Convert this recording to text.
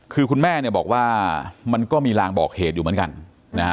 คือคุณแม่เนี่ยบอกว่ามันก็มีลางบอกเหตุอยู่เหมือนกันนะฮะ